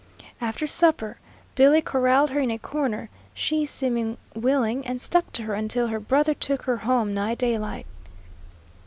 After supper Billy corralled her in a corner, she seeming willing, and stuck to her until her brother took her home nigh daylight.